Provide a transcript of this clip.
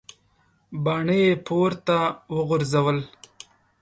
باڼه یې پورته وغورځول.